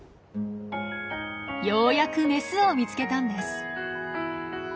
ようやくメスを見つけたんです。